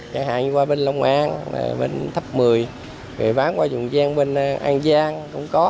chẳng hạn như qua bên long an là bên thấp một mươi rồi bán qua dùng gian bên an giang cũng có